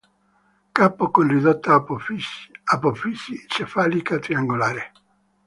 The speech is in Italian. Capo con ridotta apofisi cefalica triangolare.